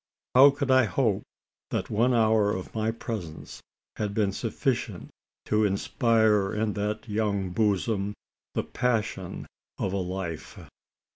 How could I hope that one hour of my presence had been sufficient to inspire in that young bosom the passion of a life?